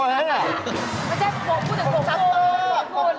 ไม่ใช่คุกหัวโตพูดจากผม